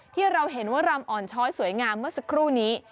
ที่เราเห็นว่ารำอ่อนช้อยสวยงามเมื่อสักครู่นี้